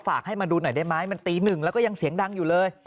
ให้มาดูหน่อยได้ไหมมันตีหนึ่งแล้วก็ยังเสียงดังอยู่เลย